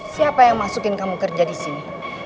siapa yang masukin kamu kerja disini